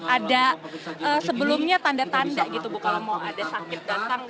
ada sebelumnya tanda tanda gitu bu kalau mau ada sakit datang